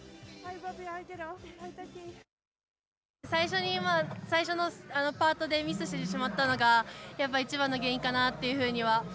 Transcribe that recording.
最初に最初のパートでミスしてしまったのがやっぱり一番の原因かなというふうには。